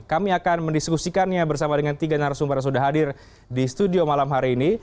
kami akan mendiskusikannya bersama dengan tiga narasumber yang sudah hadir di studio malam hari ini